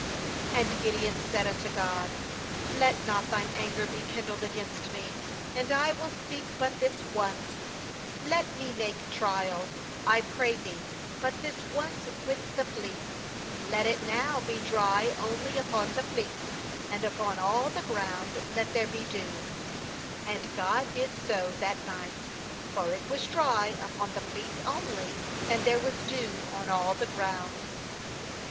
39And Gid eon said unto God: 'Let not Thine anger be kindled against me, and I will speak but this once: let me make trial, I pray Thee, but this once with the fleece; let it now be dry only upon the fleece, and upon all the ground let there be dew/ 40And God did so that night; for it was dry upon the fleece only, and there was dew on all the ground.